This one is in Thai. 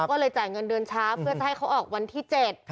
ก็เลยจ่ายเงินเดือนช้าเพื่อจะให้เขาออกวันที่๗